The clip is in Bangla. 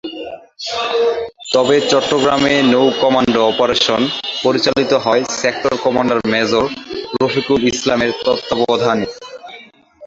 তবে চট্টগ্রামে নৌ-কমান্ডো অপারেশন পরিচালিত হয় সেক্টর কমান্ডার মেজর রফিকুল ইসলামের তত্ত্বাবধানে।